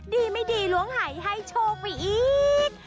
ดีไม่ดีล้วงหายให้โชคไปอีก